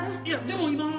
いやでも今。